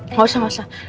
nggak usah masa